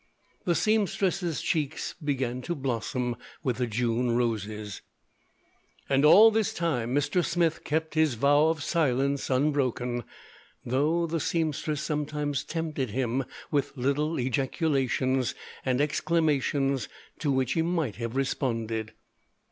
The seamstress's cheeks began to blossom with the June roses. And all this time Mr. Smith kept his vow of silence unbroken, though the seamstress sometimes tempted him with little ejaculations and exclamations to which he might have responded.